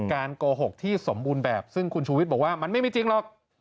โกหกที่สมบูรณ์แบบซึ่งคุณชูวิทย์บอกว่ามันไม่มีจริงหรอก